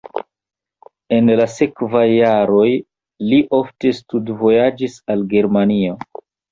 En la sekvaj jaroj li ofte studvojaĝis al Germanio.